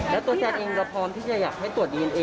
แล้วตัวแทนเองเราพร้อมที่จะอยากให้ตรวจดีเอนเอ